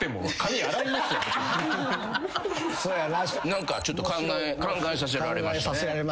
何かちょっと考えさせられました。